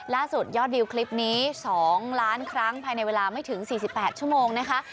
ยอดวิวคลิปนี้๒ล้านครั้งภายในเวลาไม่ถึง๔๘ชั่วโมงนะคะ